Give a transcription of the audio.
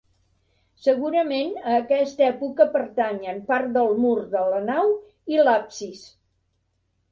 Segurament a aquesta època pertanyen part del mur de la nau i l'absis.